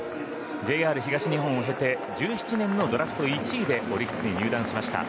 ＪＲ東日本を経て１７年のドラフト１位でオリックスに入団しました。